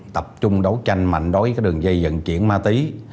tập trung đấu tranh mạnh đối với đường dây dẫn chuyển ma túy